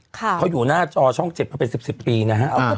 เขาอยู่หน้าจอช่อง๗เพราะเป็น๑๐ปีนะครับ